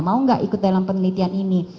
mau nggak ikut dalam penelitian ini